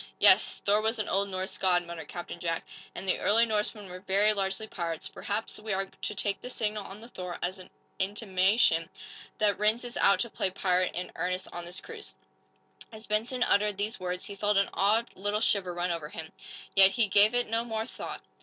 "Yes; Thor was an old Norse god," muttered Captain Jack. "And the early Norsemen were very largely pirates. Perhaps we are to take the signal on the 'Thor' as an intimation that Rhinds is out to play pirate in earnest on this cruise." As Benson uttered these words he felt an odd little shiver run over him. Yet he gave it no more thought.